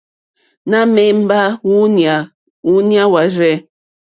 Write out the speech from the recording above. Nà mèmbá wúǔɲá wârzɛ̂.